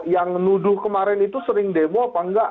yang nuduh kemarin itu sering demo atau tidak